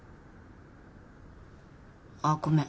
あっごめん。